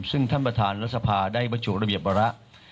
ซึ่งท่านประธานรัฐสภาได้บรรจุระเบียบวาระ